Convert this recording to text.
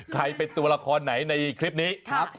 ใครเป็นตัวละครไหนในคลิปนี้ครับ